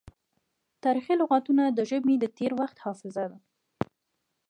تاریخي لغتونه د ژبې د تیر وخت حافظه ده.